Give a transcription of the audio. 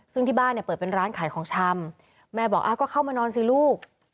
ซึ่งที่บ้านเนี่ยเปิดเป็นร้านขายของชำแม่บอกก็เข้ามานอนสิลูก